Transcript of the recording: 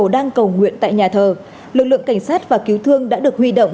đang cầu nguyện tại nhà thờ lực lượng cảnh sát và cứu thương đã được huy động